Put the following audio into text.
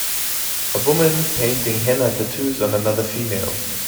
A woman painting henna tattoos on another female.